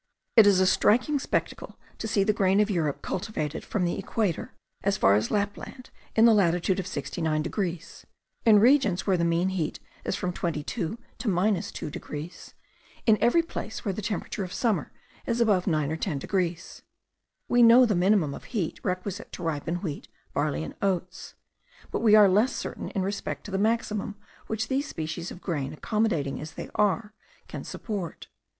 It is a striking spectacle to see the grain of Europe cultivated from the equator as far as Lapland in the latitude of 69 degrees, in regions where the mean heat is from 22 to 2 degrees, in every place where the temperature of summer is above 9 or 10 degrees. We know the minimum of heat requisite to ripen wheat, barley, and oats; but we are less certain in respect to the maximum which these species of grain, accommodating as they are, can support.